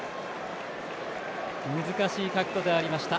難しい角度ではありました。